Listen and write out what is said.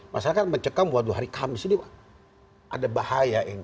masyarakat mencekam waduh hari kamis ini ada bahaya ini